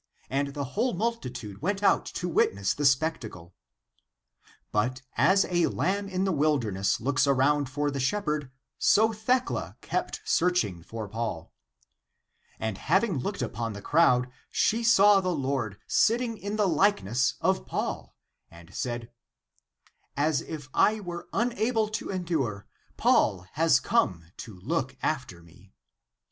And the whole multitude went out to wit ness the spectacle. But as a lamb in the wilderness looks around for the shepherd, so Thecla kept searching for Paul. And having looked upon the crowd, she saw the Lord sitting in the likeness of Paul, and said, " As if I were unable to endure, Paul has come to look after me."